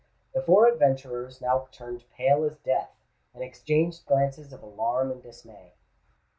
The four adventurers now turned pale as death, and exchanged glances of alarm and dismay.